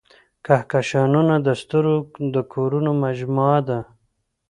کهکشانونه د ستورو د کورونو مجموعه ده.